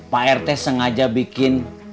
pak rt sengaja bikin